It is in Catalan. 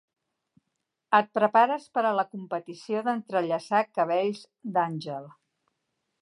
Et prepares per a la competició d'entrellaçar cabells d'àngel.